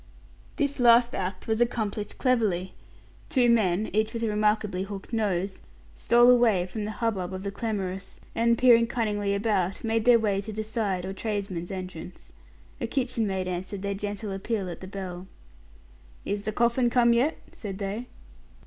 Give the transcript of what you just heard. This last act was accomplished cleverly. Two men, each with a remarkably hooked nose, stole away from the hubbub of the clamorous, and peering cunningly about, made their way to the side or tradesman's entrance. A kitchen maid answered their gentle appeal at the bell. "Is the coffin come yet?" said they.